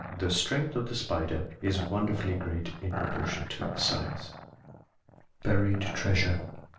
The strength of the spider is wonderfully great in proportion to its size. BURIED TREASURE.